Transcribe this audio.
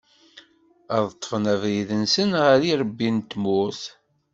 Ad d-ṭṭfen abrid-nsen ɣer yirebbi n tmurt.